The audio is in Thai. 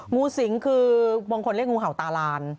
งูสิงคือบางคนเรียกงูเห่าตาลาน